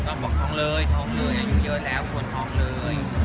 ถ้าบอกท้องเลยอายุเยอะแล้วควรท้องเลย